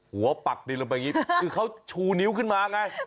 หัวปักดีลงไปนี่คือเขาชูนิ้วขึ้นมาไง